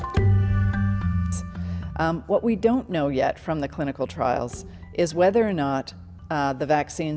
dan apakah itu mempertahankan dari transmisi ke orang lain